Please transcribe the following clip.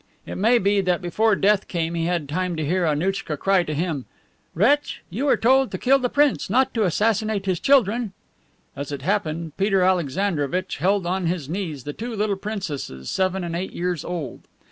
It may be that before death came he had time to hear Annouchka cry to him, "Wretch! You were told to kill the prince, not to assassinate his children." As it happened, Peter Alexandrovitch held on his knees the two little princesses, seven and eight years old.